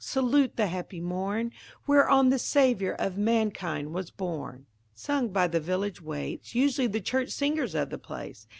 salute the happy morn Whereon the Saviour of mankind was born;" –sung by the village waits, usually the church singers of the place.